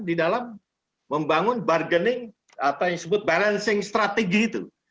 di dalam membangun bargaining atau yang disebut balancing strategy itu